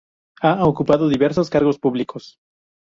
Ha ocupado diversos cargos públicos.